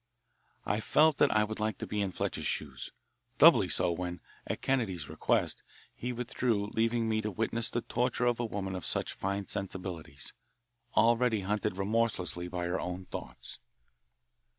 I felt that I would like to be in Fletcher's shoes doubly so when, at Kennedy's request, he withdrew, leaving me to witness the torture of a woman of such fine sensibilities, already hunted remorselessly by her own thoughts.